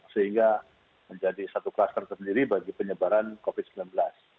sehingga menjadi satu kluster tersendiri bagi penyebaran covid sembilan belas